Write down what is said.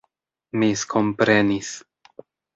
miskomprenis